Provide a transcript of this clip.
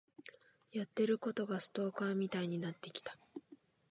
やってることがストーカーみたいになってきた。